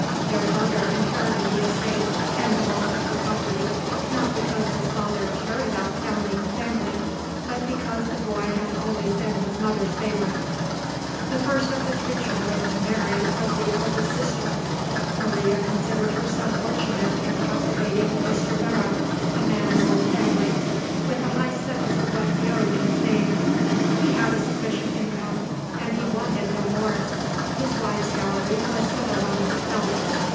Their brother inherited the estate, and the bulk of the property not because his father cared about founding a family, but because the boy had always been his mother's favourite. The first of the three children to marry was the eldest sister. Maria considered herself fortunate in captivating Mr. Vere a man of old family, with a high sense of what he owed to his name. He had a sufficient income, and he wanted no more. His wife's dowry was settled on herself.